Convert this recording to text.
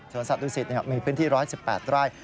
สวนสัตว์ดูสิตมีพื้นที่๑๑๘ไร่